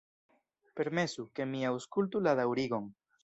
Permesu, ke mi aŭskultu la daŭrigon.